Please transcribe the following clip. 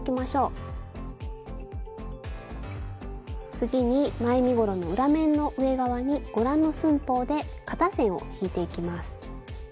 次に前身ごろの裏面の上側にご覧の寸法で肩線を引いていきます。